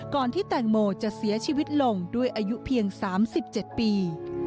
ก่อนที่แตงโมจะเสียชีวิตลงด้วยอายุเพียง๓๗ปี